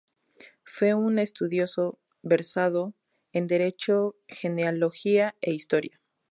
Fue un estudioso, versado en derecho, genealogía e historia.